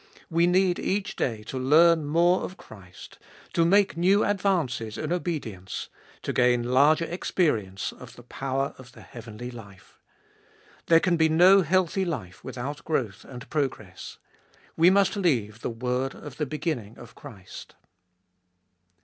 We need each day to learn more of Christ, to make new advances in obedience, to gain larger experience of the power of the heavenly life. There can be no healthy life without growth and progress. We must leave the word of the beginning of Christ.